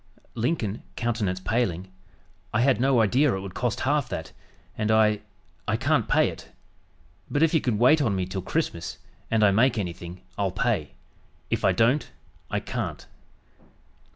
Lincoln (countenance paling) "I had no idea it would cost half that, and I I can't pay it; but if you can wait on me till Christmas, and I make anything, I'll pay; if I don't, I can't."